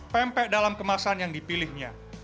pempek dalam kemasan yang dipilihnya